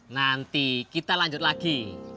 nanti kita lanjut lagi